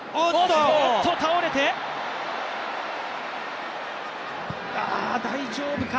おっと、倒れて大丈夫か？